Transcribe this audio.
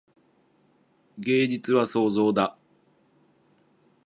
芸術は創造だ。